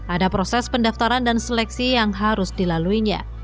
ada proses pendaftaran dan seleksi yang harus dilaluinya